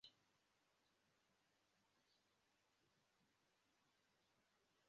The projected structure was capable of accommodating most of them.